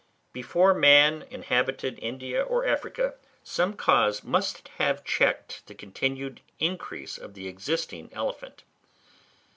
Before man inhabited India or Africa, some cause must have checked the continued increase of the existing elephant.